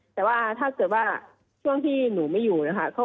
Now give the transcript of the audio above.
แต่ว่าถ้าเกิดว่าช่วงที่หนูไม่อยู่นะคะ